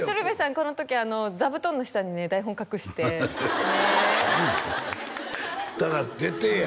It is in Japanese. この時座布団の下にね台本隠してねえだから「出てや」